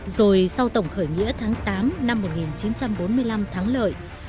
rồi sau tổng khởi nghĩa tháng tám năm một nghìn chín trăm bốn mươi năm thắng lợi